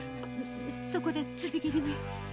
そこで辻斬りに。